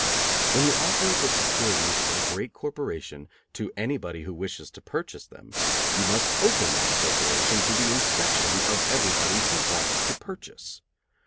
When you offer the securities of a great corporation to anybody who wishes to purchase them, you must open that corporation to the inspection of everybody who wants to purchase.